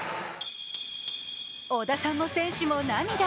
織田さんも選手も涙。